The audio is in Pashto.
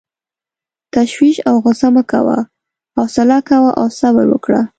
تشویش او غصه مه کوه، حوصله کوه او صبر وکړه.